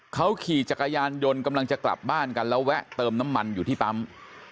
เขาขี่จักรยานยนต์กำลังจะกลับบ้านกันแล้วแวะเติมน้ำมันอยู่ที่ปั๊ม